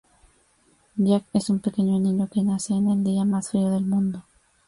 Jack es un pequeño niño que nace en el día más frío del mundo.